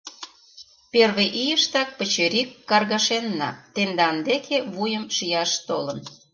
— Первый ийыштак пычырик каргашенна, тендан деке вуйым шияш толын.